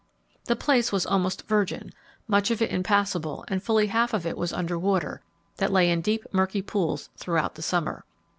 The place was almost 'virgin,' much of it impassable and fully half of it was under water that lay in deep, murky pools throughout summer.